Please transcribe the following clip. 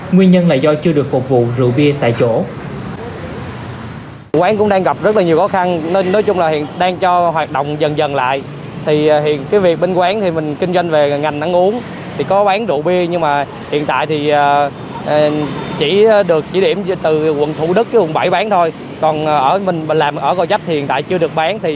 nguyên nhân là do chưa được phục vụ rượu bia tại chỗ